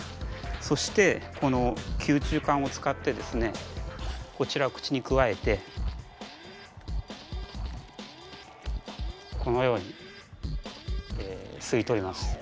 そしてこの吸虫管を使ってですねこちら口にくわえてこのように吸い取ります。